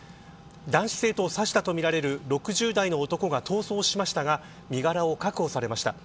男子生徒を刺したとみられる６０代の男が逃走しましたが身柄を確保されました。